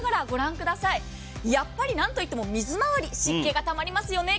やっぱり何といっても水回り、湿気がたまりますよね。